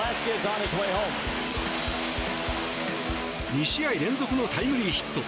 ２試合連続のタイムリーヒット。